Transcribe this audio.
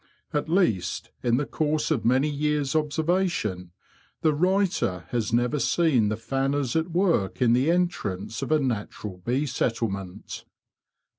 At least, in the course of many years' observation, the writer has never seen the fanners at work in the entrance of a natural bee settlement.